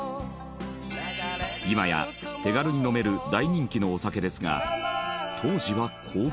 今や手軽に飲める大人気のお酒ですが。